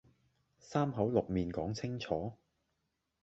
三口六面講清楚